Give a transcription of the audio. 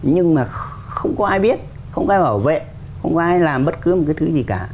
nhưng mà không có ai biết không ai bảo vệ không có ai làm bất cứ một cái thứ gì cả